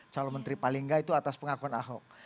kalau menteri paling enggak itu atas pengakuan ahok